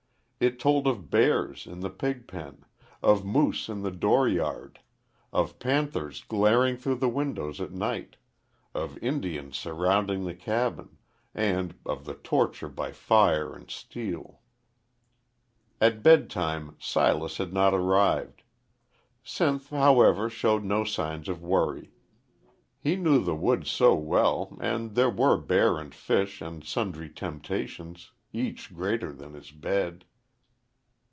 It told of bears in the pig pen, of moose in the door yard, of panthers glaring through the windows at night, of Indians surrounding the cabin, and of the torture by fire and steel. At bedtime Silas had not arrived. Sinth, however, showed no sign of worry. He knew the woods so well, and there were bear and fish and sundry temptations, each greater than his bed.